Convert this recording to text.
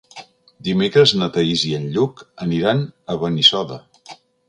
Dimecres na Thaís i en Lluc aniran a Benissoda.